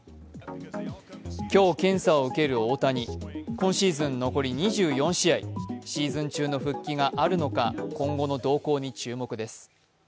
今シーズン残り２４試合、シーズン中の復帰があるのか今後の動向に注目です。